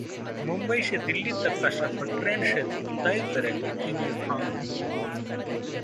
मुंबई से दिल्ली तक का सफर ट्रेन से तय करेंगे किंग खान